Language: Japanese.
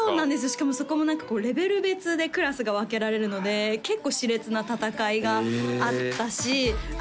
しかもそこも何かレベル別でクラスが分けられるので結構しれつな戦いがあったしへえ